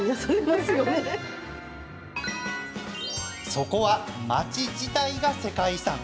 そこは、町自体が世界遺産。